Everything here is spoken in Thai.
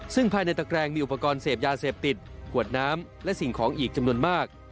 ซึ่งภายในตะแกรงมีอุปกรณ์เสพยาเสพติดกวดน้ำและสิ่งของอีกจำนวนมาก